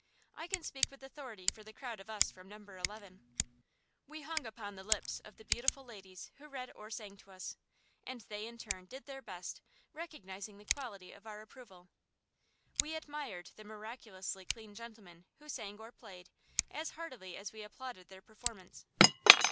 I can speak with authority for the crowd of us from Number 11. We hung upon the lips of the beautiful ladies who read or sang to us; and they in turn did their best, recognizing the quality of our approval. We admired the miraculously clean gentlemen who sang or played, as heartily as we applauded their performance.